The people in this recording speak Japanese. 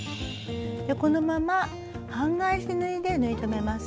このまま半返し縫いで縫い留めます。